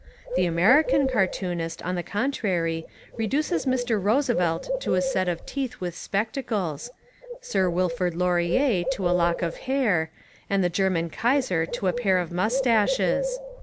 The American cartoonist on the contrary reduces Mr. Roosevelt to a set of teeth with spectacles, Sir Wilfred Laurier to a lock of hair, and the German Kaiser to a pair of moustaches.